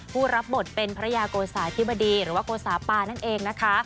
ผู้รับบทเป็นพระยาโกสาธิบดีหรือว่าโกสาปานั่นเองนะคะ